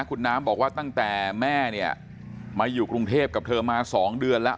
คุณน้ำบอกว่าตั้งแต่แม่เนี่ยมาอยู่กรุงเทพกับเธอมา๒เดือนแล้ว